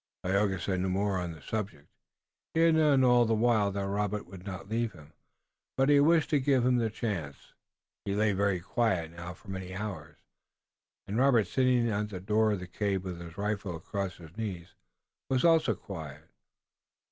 Tayoga said no more on the subject. He had known all the while that Robert would not leave him, but he had wished to give him the chance. He lay very quiet now for many hours, and Robert sitting at the door of the cave, with his rifle across his knees, was also quiet.